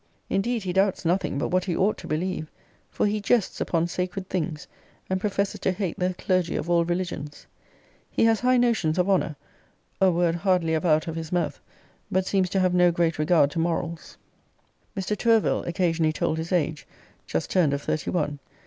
Indeed he doubts nothing but what he ought to believe; for he jests upon sacred things; and professes to hate the clergy of all religions. He has high notions of honour, a world hardly ever out of his mouth; but seems to have no great regard to morals. Mr. TOURVILLE occasionally told his age; just turned of thirty one.